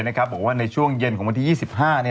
บอกว่าในช่วงเย็นของวันที่๒๕